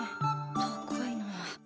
高いな。